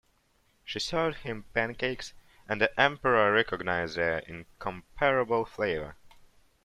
She served him pancakes, and the Emperor recognized their incomparable flavour.